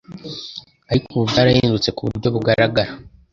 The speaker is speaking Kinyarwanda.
Ariko ubu byarahindutse kuburyo bugaragara